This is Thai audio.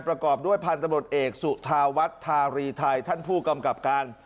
ประกอบด้วยพันธบทเอกสุธาวัฒน์ทารีไทยท่านผู้กำกับการ